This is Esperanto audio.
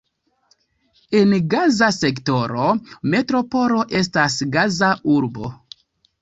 En Gaza sektoro metropolo estas Gaza-urbo.